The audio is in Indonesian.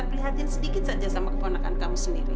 prihatin sedikit saja sama keponakan kamu sendiri